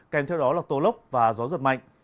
kèm theo đó là tô lốc và gió giật mạnh